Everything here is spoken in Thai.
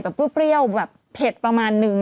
มะม่วงสุกก็มีเหมือนกันมะม่วงสุกก็มีเหมือนกัน